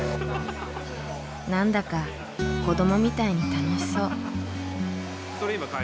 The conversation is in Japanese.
何だか子どもみたいに楽しそう。